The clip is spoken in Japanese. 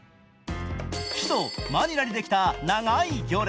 首都マニラにできた長い行列。